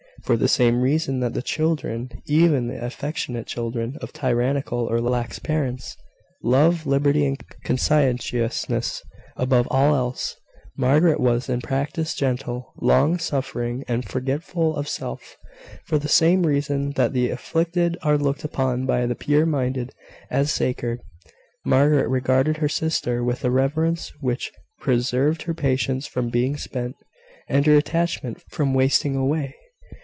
For the same reason that the children, even the affectionate children, of tyrannical or lax parents, love liberty and conscientiousness above all else, Margaret was in practice gentle, long suffering, and forgetful of self. For the same reason that the afflicted are looked upon by the pure minded as sacred, Margaret regarded her sister with a reverence which preserved her patience from being spent, and her attachment from wasting away.